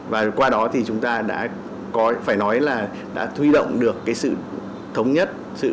và qua đó thì chúng ta đã có phải nói là đã thuy động được sự thống nhất